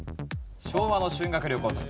昭和の修学旅行先。